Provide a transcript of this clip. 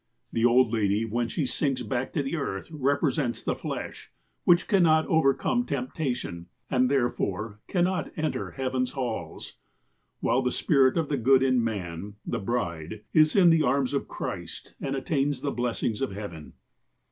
The old lady, when she sinks back to earth, represents the flesh, which cannot overcome temptation, and, there fore, cannot enter heaven's halls. While the spirit of good in man, "the bride," is in the arms of Christ, and attains the blessings of heaven.